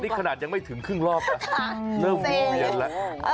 นี่ขนาดยังไม่ถึงครึ่งรอบละ